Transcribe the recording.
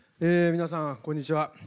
皆さん、こんにちは。